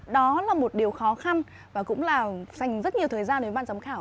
đó là một điều khó khăn và cũng là dành rất nhiều thời gian đến ban giám khảo